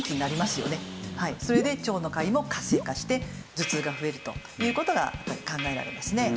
それで腸のカビも活性化して頭痛が増えるという事が考えられますね。